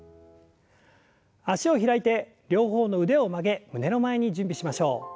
脚を開いて両方の腕を曲げ胸の前に準備しましょう。